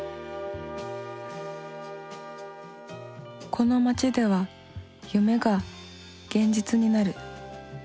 この街では夢が現実になる。